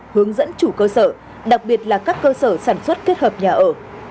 hướng dẫn chủ cơ sở đặc biệt là các cơ sở sản xuất kết hợp nhà ở